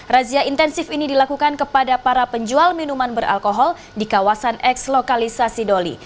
razia intensif ini dilakukan kepada para penjual minuman beralkohol di kawasan eks lokalisasi doli